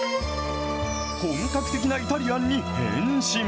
本格的なイタリアンに変身。